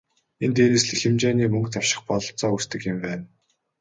Энэ дээрээс л их хэмжээний мөнгө завших бололцоо үүсдэг юм байна.